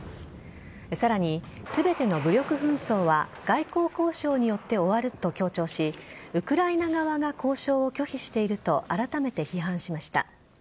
さらに、全ての武力紛争は外交交渉によって終わると強調しウクライナ側が交渉を拒否しているとあらためて批判しました。